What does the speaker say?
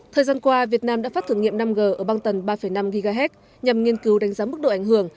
thời gian qua việt nam đã phát thử nghiệm năm g ở băng tần ba năm ghz nhằm nghiên cứu đánh giá mức độ ảnh hưởng